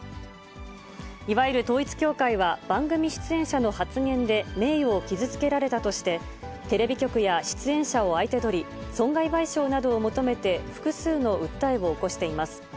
いわゆる統一教会は、番組出演者の発言で名誉を傷つけられたとして、テレビ局や出演者を相手取り、損害賠償などを求めて、複数の訴えを起こしています。